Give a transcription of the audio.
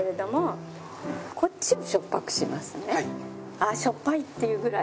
「ああしょっぱい」っていうぐらい。